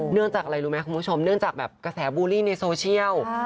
เรื่องจากอะไรรู้ไหมคุณผู้ชมเนื่องจากแบบกระแสบูลลี่ในโซเชียล